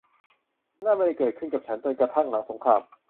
นั่นไม่ได้เกิดขึ้นกับฉันจนกระทั่งหลังสงคราม